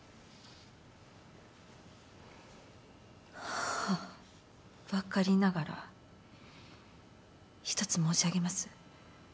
はばかりながら一つ申し上げます。